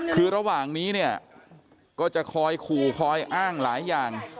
คือระหว่างนี้เนี่ยก็จะคอยขู่คอยอ้างหลายอย่าง